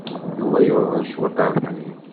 Yuba yuḍen cwiṭ abeḥri.